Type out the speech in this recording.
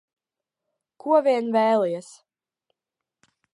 Ko vien vēlies.